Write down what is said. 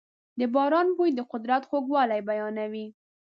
د باران بوی د قدرت خوږوالی بیانوي.